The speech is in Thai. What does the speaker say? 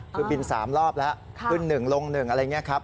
คือบิน๓รอบแล้วขึ้น๑ลง๑อะไรอย่างนี้ครับ